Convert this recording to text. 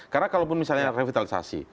karena kalau misalnya revitalisasi